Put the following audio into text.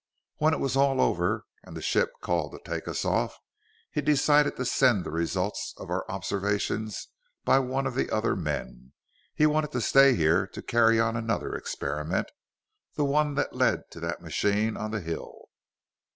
When it was all over, and the ship called to take us off, he decided to send the results of our observations by one of the other men. He wanted to stay here to carry on another experiment the one that led to that machine on the hill.